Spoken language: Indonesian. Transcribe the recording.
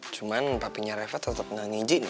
cuman papinya reva tetep gak ngijin